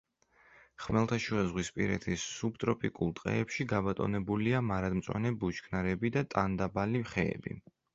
ხმელთაშუაზღვისპირეთის სუბტროპიკულ ტყეებში გაბატონებულია მარადმწვანე ბუჩქნარები და ტანდაბალი ხეები.